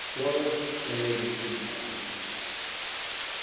Warren lay listening carefully.